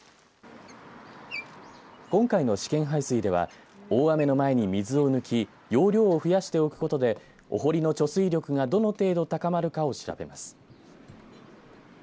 今回の試験排水では大雨の前に水を抜き容量を増やしておくことでお堀の貯水力がどの程度高まるかを調べます。